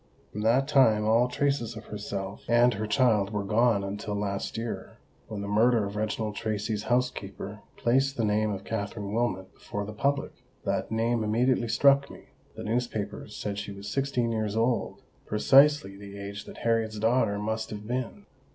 From that time all traces of herself and her child were gone until last year, when the murder of Reginald Tracy's housekeeper placed the name of Katherine Wilmot before the public. That name immediately struck me: the newspapers said she was sixteen years old—precisely the age that Harriet's daughter must have been.